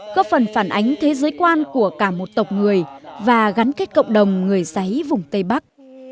có phần phản ánh thế giới quan của cả một tộc người và gắn kết cộng đồng người sấy vùng tây bắc